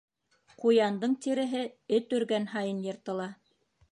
Ҡуяндың тиреһе, эт өргән һайын, йыртыла.